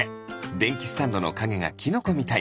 でんきスタンドのかげがキノコみたい。